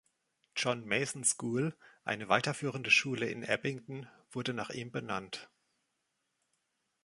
John Mason School, eine weiterführende Schule in Abingdon, wurde nach ihm benannt.